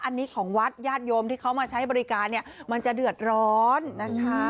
อันนี้ของวัดญาติโยมที่เขามาใช้บริการเนี่ยมันจะเดือดร้อนนะคะ